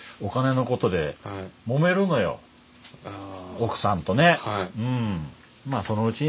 奥さんとね。